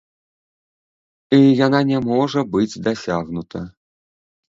І яна не можа быць дасягнута.